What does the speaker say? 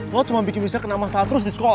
lo cuma bikin misya kena masa terus di sekolah